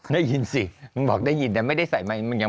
ได้ยินสิมันบอกได้ยินแต่ไม่ได้ใส่ไมค์